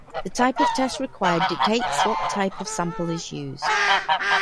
The type of test required dictates what type of sample is used.